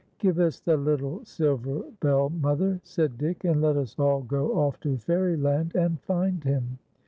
" Give us the little silver bell, mother," said Dick, " and let us all go off to Fairyland and find him."